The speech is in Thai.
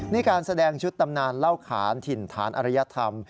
นี่การแสดงชุดตำนานเล่าขานถิ่นฐานอริยธรรม